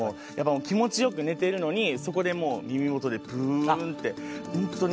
気持ちよく寝てるのにそこでもう耳元でぶんって。